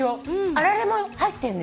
あられも入ってんのよ。